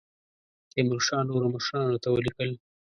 تیمورشاه نورو مشرانو ته ولیکل.